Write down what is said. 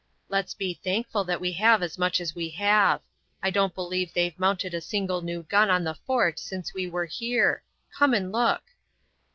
"Let's be thankful that we have as much as we have. I don't believe they've mounted a single new gun on the fort since we were here. Come and look."